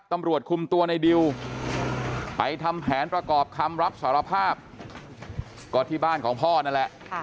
ตำรวจคุมตัวในดิวไปทำแผนประกอบคำรับสารภาพก็ที่บ้านของพ่อนั่นแหละ